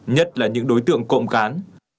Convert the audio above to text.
nhất là những đối tượng cộng cán